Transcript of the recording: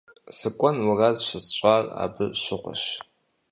СыкӀуэсэн мурад щысщӀар абы щыгъуэщ.